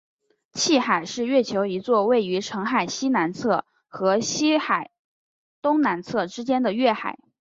汽海是月球一座位于澄海西南侧和雨海东南侧之间的月海。